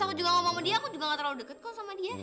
aku juga ngomong dia aku juga gak terlalu deket kok sama dia